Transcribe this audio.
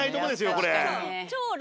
これ。